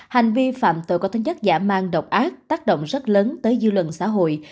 hành vi phạm tội có tính chất giả mang độc ác tác động rất lớn tới dư luận xã hội